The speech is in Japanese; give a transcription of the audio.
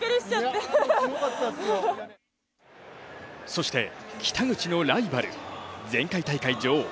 そして北口のライバル前回大会女王